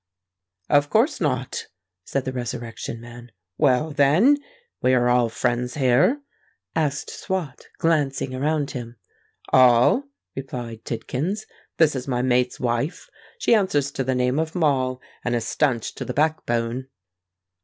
"Of course not," said the Resurrection Man. "Well, then—we are all friends here?" asked Swot, glancing around him. "All," replied Tidkins. "This is my mate's wife; she answers to the name of Moll, and is stanch to the back bone."